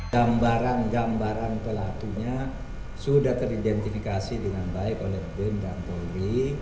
gambaran gambaran pelakunya sudah teridentifikasi dengan baik oleh bin dan polri